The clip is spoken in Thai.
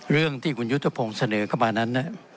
เรื่องที่คุณยุทธพงศ์เสนอเข้ามานั้น